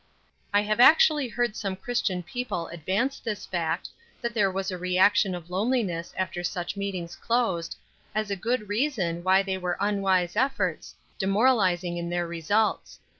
I have actually heard some Christian people advance this fact, that there was a reaction of loneliness after such meetings closed, as a good reason why they were unwise efforts, demoralizing in their results.